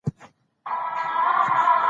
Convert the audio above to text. پنځه دقیقې په ازاده فضا کې زیات وخت ورکړئ.